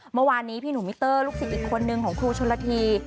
เมื่อวานนี้พี่หนุ่มมิเตอร์ลูกศิษย์อีกคนนึงของครูชนละที